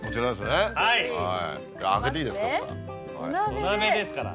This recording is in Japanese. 土鍋ですから。